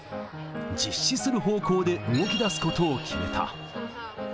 実施する方向で動きだすことを決めた。